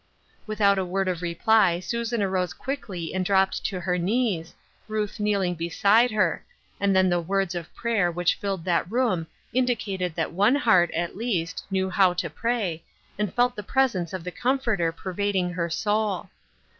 Without a word of reply Susan arose quickly and dropped on her knees, Ruth kneeling beside her, and then the words of prayer which filled that room indicated that one heart, at least, knew how to pray, and felt the presence of the Comforter pervading her soul.